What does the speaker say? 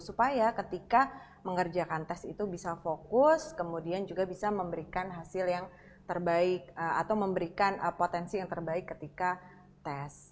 supaya ketika mengerjakan tes itu bisa fokus kemudian juga bisa memberikan hasil yang terbaik atau memberikan potensi yang terbaik ketika tes